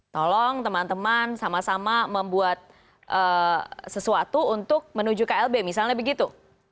tolong teman teman sama sama membuat sesuatu untuk menuju klb misalnya begitu